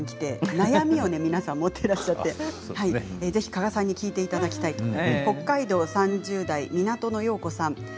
悩みを皆さん持ってらっしゃってぜひ加賀さんに聞いていただきたいと北海道３０代の方からです。